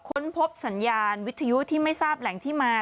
ค้นพบสัญญาณวิทยุที่ไม่ทราบแหล่งที่มา